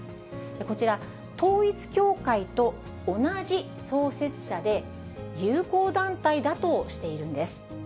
こちら、統一教会と同じ創設者で、友好団体だとしているんです。